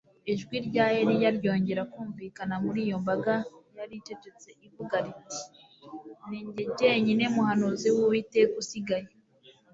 ijwi rya Eliya ryongeye kumvikanira muri iyo mbaga yari icecetse ivuga riti Ni jye jyenyine muhanuzi wUwiteka usigaye